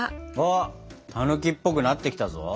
あたぬきっぽくなってきたぞ。